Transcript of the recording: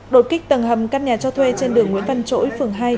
đột kích tầng hầm các nhà cho thuê trên đường nguyễn văn chỗi phường hai